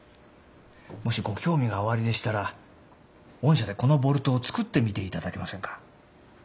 もしご興味がおありでしたら御社でこのボルトを作ってみていただけませんか？